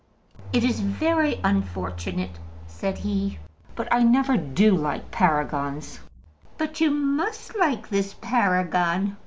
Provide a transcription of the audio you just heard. "It is very unfortunate," said he, "but I never do like Paragons." "But you must like this Paragon.